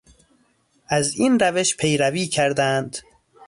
از این روش پیروی کردند